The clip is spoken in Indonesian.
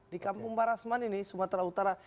di kampung bang rasman ini sumatera utara